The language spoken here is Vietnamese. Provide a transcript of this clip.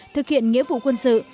thực hiện nghĩa vụ quân sự